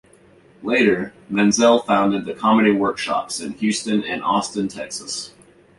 Later, Menzel founded the Comedy Workshops in Houston and Austin, Texas.